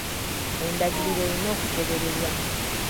Endagiriro erina okugobererwa.